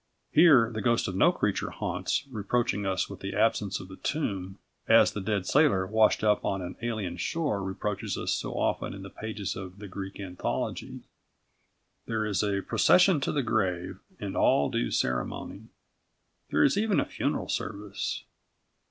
Here the ghost of no creature haunts reproaching us with the absence of a tomb, as the dead sailor washed up on an alien shore reproaches us so often in the pages of The Greek Anthology. There is a procession to the grave and all due ceremony. There is even a funeral service.